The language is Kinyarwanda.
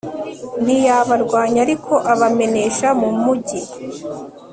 ntiyabarwanya ariko abamenesha mu mugi